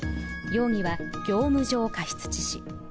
容疑は業務上過失致死。